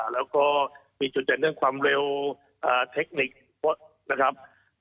แล้วก็มีจุดเด่นเรื่องความเร็วเทคนิครถนะครับ